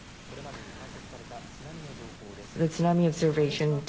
これまでに観測された津波の情報です。